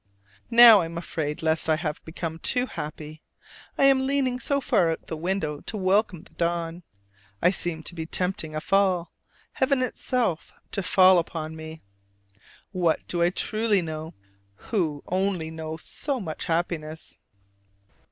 Now I am afraid lest I have become too happy: I am leaning so far out of window to welcome the dawn, I seem to be tempting a fall heaven itself to fall upon me. What do I know truly, who only know so much happiness?